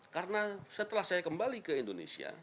karena setelah saya kembali ke indonesia